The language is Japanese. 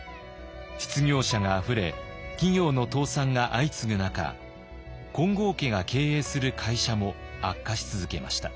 失業者があふれ企業の倒産が相次ぐ中金剛家が経営する会社も悪化し続けました。